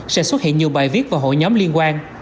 sẽ xuất hiện nhiều bài viết và hội nhóm liên quan